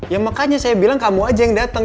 ya makanya saya bilang kamu aja yang datang